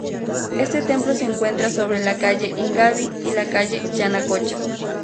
Este templo se encuentra entre la calle Ingavi y la calle Yanacocha.